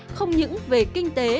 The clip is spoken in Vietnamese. không những về kinh tế